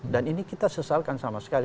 dan ini kita sesalkan sama sekali